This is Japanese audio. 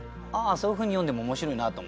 そういうふうに読んでも面白いなと思う。